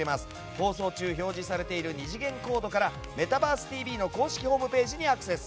放送中表示されている２次元コードから「メタバースＴＶ！！」の公式ホームページにアクセス。